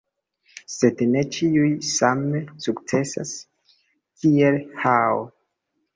Sed ne ĉiuj same sukcesas kiel Hao.